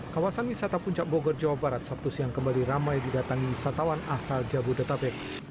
kawasan wisata puncak bogor jawa barat sabtu siang kembali ramai didatangi wisatawan asal jabodetabek